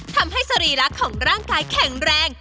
ทำให้สรีรักของร่างกายแข็งแรง